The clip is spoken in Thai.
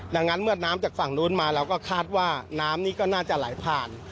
ดังนั้นเมื่อน้ำจากฝั่งนู้นมาเราก็คาดว่าน้ำนี้ก็น่าจะไหลผ่าน